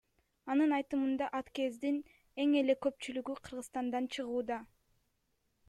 Анын айтымында, аткездин эң эле көпчүлүгү Кыргызстандан чыгууда.